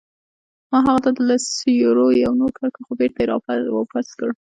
ما هغه ته د لسو لیرو یو نوټ ورکړ، خو بیرته يې راواپس کړ.